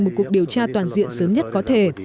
một cuộc điều tra toàn diện sớm nhất có thể